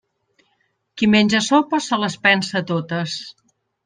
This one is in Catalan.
Qui menja sopes se les pensa totes.